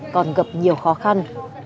còn gặp nhiều khó khăn